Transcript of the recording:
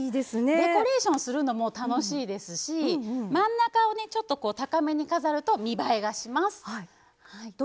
デコレーションするのも楽しいですし真ん中を少し高めに飾ると見栄えがします。